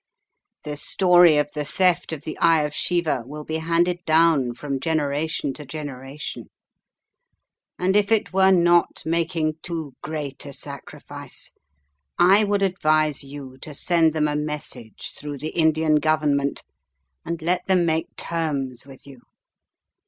" The story of the theft of the Eye of Shiva will bo 296 The Riddle of the Purple Emperor handed down from generation to generation, and if it were not making too great a sacrifice, I would ad vise you to send them a message through the Indian government, and let them make terms with you.